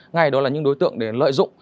ngay đó là những đối tượng để lợi dụng